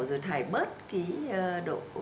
rồi thải bớt cái độ cồn ở trong máu